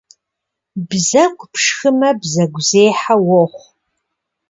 Бзэгу пшхымэ бзэгузехьэ уохъу.